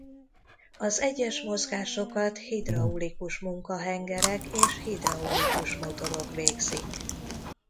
Az egyes mozgásokat hidraulikus munkahengerek és hidraulikus motorok végzik.